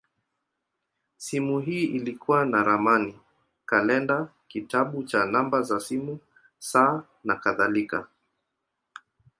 Simu hii ilikuwa na ramani, kalenda, kitabu cha namba za simu, saa, nakadhalika.